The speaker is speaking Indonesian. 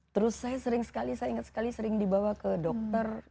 terus saya sering sekali saya ingat sekali sering dibawa ke dokter